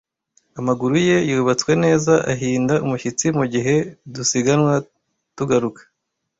Amaguru ye yubatswe neza ahinda umushyitsi mugihe dusiganwa tugaruka.